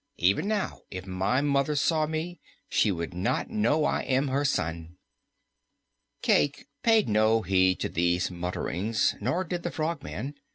Even now, if my mother saw me, she would not know I am her son." Cayke paid no heed to these mutterings, nor did the Frogman.